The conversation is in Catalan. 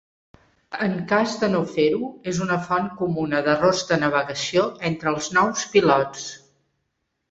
En cas de no fer-ho és una font comuna d'errors de navegació entre els nous pilots.